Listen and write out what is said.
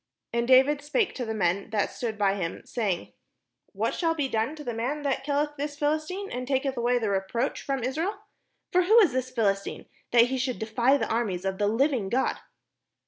And David spake to the men that stood by him, say ing: "What shall be done to the man that killeth this Philistine, and taketh away the reproach from Israel? for who is this Philistine, that he should defy the armies of the living God?"